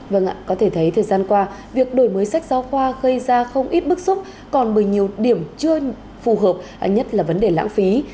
vâng ạ có thể thấy thời gian qua việc đổi mới sách giáo khoa gây ra không ít bức xúc còn bởi nhiều điểm chưa phù hợp nhất là vấn đề lãng phí